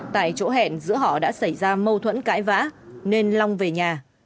tại chỗ hẹn giữa họ đã xảy ra mâu thuẫn cãi vã nên long về nhà